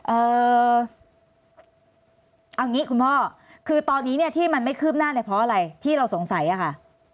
เอ่อเอางี้คุณพ่อคือตอนนี้เนี่ยที่มันไม่คืบหน้าเนี่ยเพราะอะไรที่เราสงสัยอะค่ะ